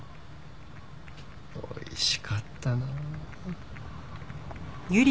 おいしかったなあ。